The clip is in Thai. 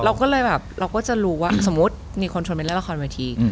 เราก็เลยแบบเราก็จะรู้ว่าสมมุติมีคนชวนไปเล่นละครเวที